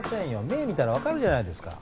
目見たらわかるじゃないですか。